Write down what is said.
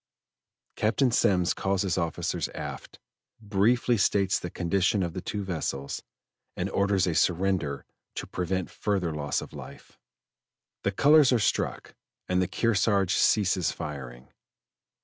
Captain Semmes calls his officers aft, briefly states the condition of the two vessels, and orders a surrender to prevent a further loss of life. The colors are struck and the Kearsarge ceases firing.